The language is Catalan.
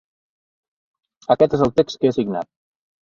Aquest és el text que he signat.